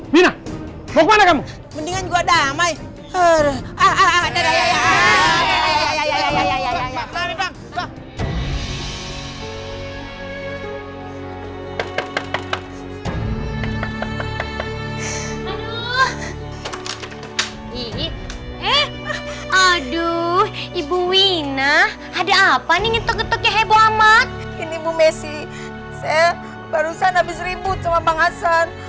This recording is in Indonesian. wina mau kemana kamu mendingan gua damai aduh ibu wina ada apa nih itu ketukih heboh amat ini bu messi saya barusan habis ribut sama bang asan